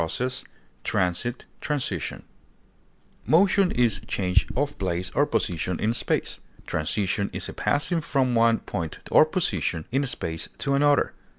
action, move, passage, transit, Motion is change of place or position in space; transition is a passing from one point or position in space to another.